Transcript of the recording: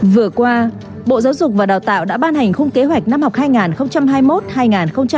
vừa qua bộ giáo dục và đào tạo đã ban hành khung kế hoạch năm học hai nghìn hai mươi một hai nghìn hai mươi năm